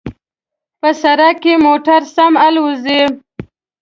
په سړک کې موټر سم الوزي